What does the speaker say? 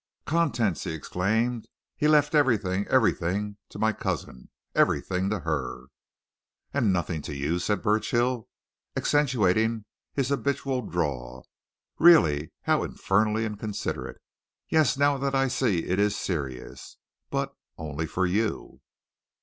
"Contents!" he exclaimed. "He left everything everything! to my cousin! Everything to her." "And nothing to you," said Burchill, accentuating his habitual drawl. "Really, how infernally inconsiderate! Yes now I see that it is serious. But only for you."